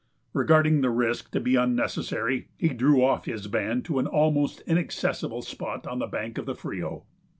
Regarding the risk to be unnecessary, he drew off his band to an almost inaccessible spot on the bank of the Frio.